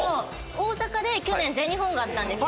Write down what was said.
大阪で去年全日本があったんですよ。